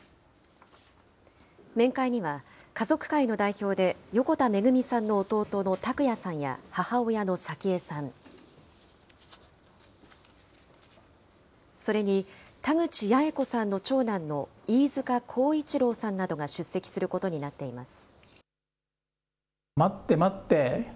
面会には、家族会の代表で、横田めぐみさんの弟の拓也さんや母親の早紀江さん、それに、田口八重子さんの長男の飯塚耕一郎さんなどが出席することになっています。